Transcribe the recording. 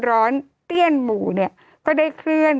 โทษทีน้องโทษทีน้อง